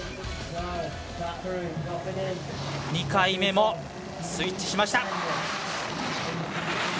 ２回目もスイッチしました。